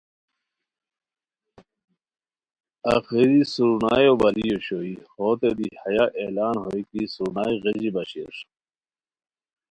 آخری سرنایو باری اوشوئے ،ہوتین دی ہیہ اعلان ہوئے کی سرنائے غیژی باشئیر